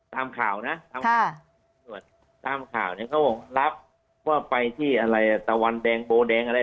ตามข่าวนะส่วนตามข่าวเนี่ยเขารับว่าไปที่อะไรตะวันแดงโบแดงอะไร